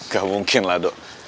gak mungkin lah do